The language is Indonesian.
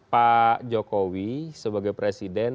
pak jokowi sebagai presiden